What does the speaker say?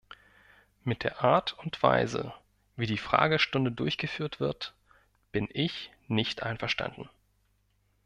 Mit der Art und Weise, wie die Fragestunde durchgeführt wird, bin ich nicht einverstanden.